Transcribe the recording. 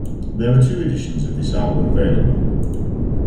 There were two editions of this album available.